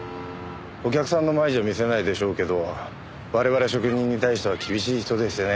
お客さんの前じゃ見せないでしょうけど我々職人に対しては厳しい人でしてねえ。